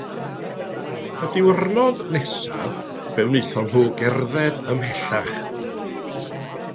Y diwrnod nesaf fe wnaethon nhw gerdded ymhellach.